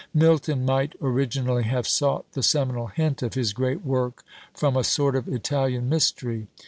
Milton might originally have sought the seminal hint of his great work from a sort of Italian mystery.